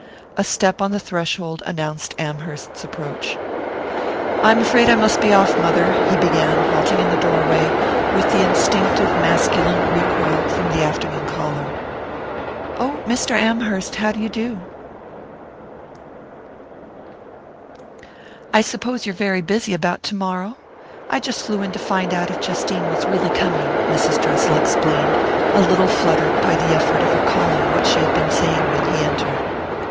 A step on the threshold announced Amherst's approach. "I'm afraid I must be off, mother " he began, halting in the doorway with the instinctive masculine recoil from the afternoon caller. "Oh, Mr. Amherst, how d'you do? I suppose you're very busy about tomorrow? I just flew in to find out if Justine was really coming," Mrs. Dressel explained, a little fluttered by the effort of recalling what she had been saying when he entered.